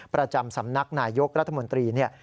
ประจำสำนักนายยกรัฐมนตรีเนี่ย